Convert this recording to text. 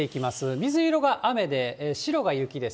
水色が雨で、白が雪です。